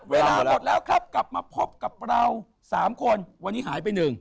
เวลาหมดแล้วครับกลับมาพบกับเรา๓คนวันนี้หายไป๑